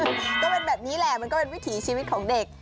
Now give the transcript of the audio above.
ก็เป็นแบบนี้แหละมันก็เป็นวิถีชีวิตของเด็ก